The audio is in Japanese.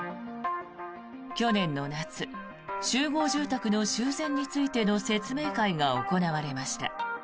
去年の夏、集合住宅の修繕についての説明会が行われました。